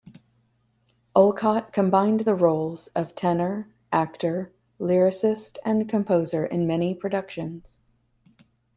Olcott combined the roles of tenor, actor, lyricist and composer in many productions.